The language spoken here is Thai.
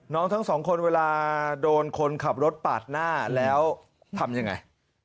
ทั้งสองคนเวลาโดนคนขับรถปาดหน้าแล้วทำยังไง